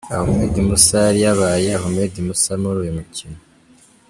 Ahmed Musa yari yabaye Ahmed Musa muri uyu mukino.